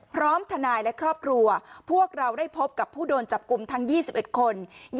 พร้อมทนายและครอบครัวพวกเราได้พบกับผู้โดนจับกลุ่มทั้ง๒๑คน